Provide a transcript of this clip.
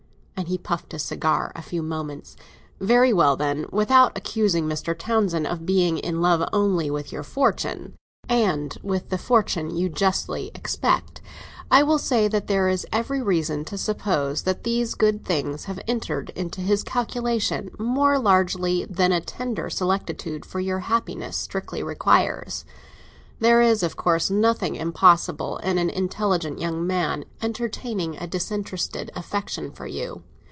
And he puffed his cigar a few moments. "Very well, then, without accusing Mr. Townsend of being in love only with your fortune—and with the fortune that you justly expect—I will say that there is every reason to suppose that these good things have entered into his calculation more largely than a tender solicitude for your happiness strictly requires. There is, of course, nothing impossible in an intelligent young man entertaining a disinterested affection for you.